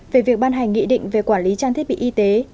về việc ban hành nghị định về quản lý trang thiết bị y tế